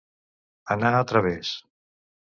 Anar a través.